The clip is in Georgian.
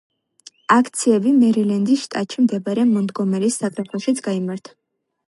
აქციები, მერილენდის შტატში მდებარე მონტგომერის საგრაფოშიც გაიმართა.